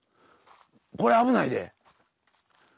これ危ないで。